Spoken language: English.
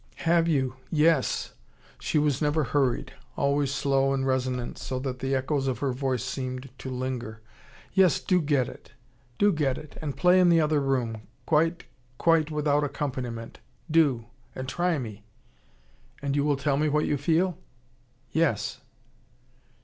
"Have you? Yes!" She was never hurried: always slow and resonant, so that the echoes of her voice seemed to linger. "Yes do get it. Do get it. And play in the other room quite quite without accompaniment. Do and try me." "And you will tell me what you feel?" "Yes."